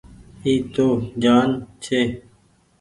اي تو ڃآن ڇي۔